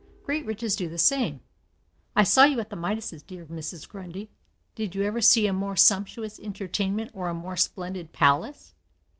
Great riches do the same. I saw you at the Midases', dear Mrs. Grundy. Did you ever see a more sumptuous entertainment or a more splendid palace?